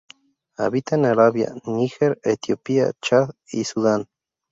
Habita en Arabia, Níger, Etiopía, Chad y Sudán.